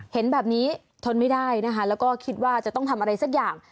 เห็นแบบนี้ทนไม่ได้นะคะแล้วก็คิดว่าจะต้องทำอะไรสักอย่าง